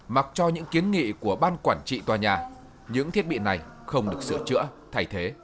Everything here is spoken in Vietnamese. mặc cho những kiến nghị của ban quản trị tòa nhà những thiết bị này không được sửa chữa thay thế